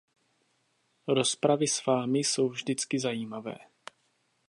Rozpravy s vámi jsou vždycky zajímavé!